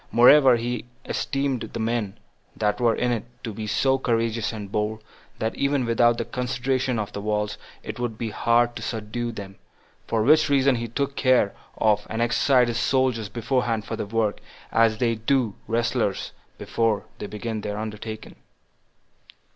Moreover, he esteemed the men that were in it to be so courageous and bold, that even without the consideration of the walls, it would be hard to subdue them; for which reason he took care of and exercised his soldiers beforehand for the work, as they do wrestlers before they begin their undertaking.